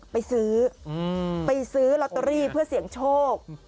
ไปซื้อไปซื้อลอตเตอรี่เพื่อเสี่ยงโชค